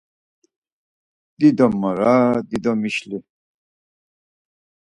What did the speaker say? Dido mara dido mişli.